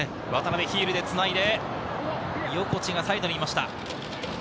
ヒールでつないで、横地がサイドにいました。